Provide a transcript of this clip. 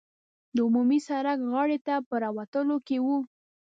د عمومي سړک غاړې ته په راوتلو کې وو.